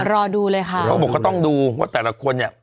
รอดูเลยค่ะเขาบอกเขาต้องดูว่าแต่ละคนเนี่ย